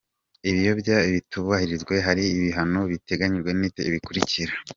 Iyo ibyo bitubahirijwe hari ibihano bigenwa n’itegeko bikurikira:.